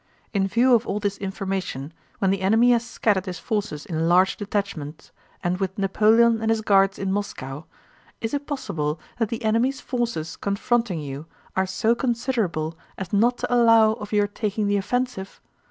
In view of all this information, when the enemy has scattered his forces in large detachments, and with Napoleon and his Guards in Moscow, is it possible that the enemy's forces confronting you are so considerable as not to allow of your taking the offensive?